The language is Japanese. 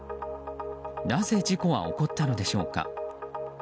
なぜ事故は起こったのでしょうか。